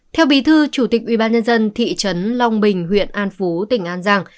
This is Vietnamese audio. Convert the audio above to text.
theo bí thư chủ tịch ubnd thị trấn long bình huyện an phú tỉnh an giang